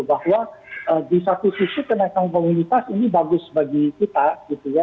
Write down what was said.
bahwa di satu sisi kenaikan komoditas ini bagus bagi kita gitu ya